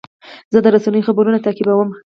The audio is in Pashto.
زه د رسنیو خبرونه تعقیبوم.